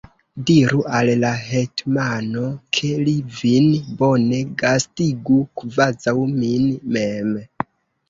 Diru al la hetmano, ke li vin bone gastigu, kvazaŭ min mem.